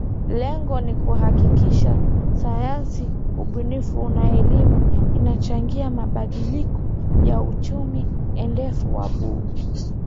Lengo ni kuhakikisha sayansi ubunifu na elimu inachangia mabadiliko ya Uchumi Endelevu wa Bluu